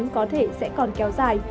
có thể sẽ còn kéo dài